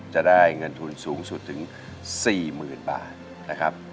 จะได้เงินทุนสูงสุดถึง๔๐๐๐บาทนะครับ